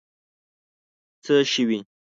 څه شوي.